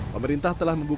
pemerintah telah membuka